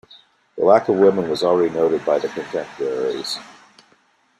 The lack of women was already noted by the contemporaries.